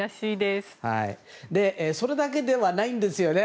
それだけではないんですよね。